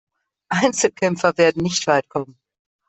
Einzelkämpfer werden nicht weit kommen.